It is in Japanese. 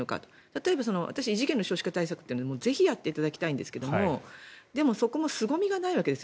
例えば私、異次元の少子化対策はぜひやっていただきたいんですがでもそこもすごみがないわけです